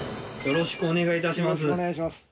よろしくお願いします。